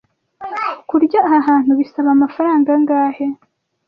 Kurya aha hantu bisaba amafaranga angahe?